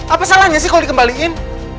apa salahnya sih kalau dikembaliin